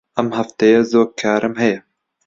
ئەم هەفتەیە زۆر کارم هەیە.